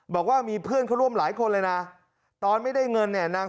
บอกว่ามีเพื่อนเขาร่วมหลายคนเลยนะตอนไม่ได้เงินเนี่ยนาง